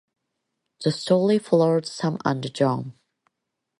The story follows Sam and John.